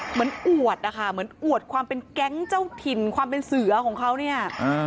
อวดนะคะเหมือนอวดความเป็นแก๊งเจ้าถิ่นความเป็นเสือของเขาเนี่ย